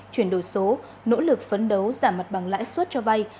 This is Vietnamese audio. chuyển đổi số nỗ lực phấn đấu giảm mặt bằng lãi suất cho vay